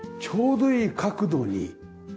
ちょうどいい角度に。